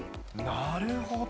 なるほど。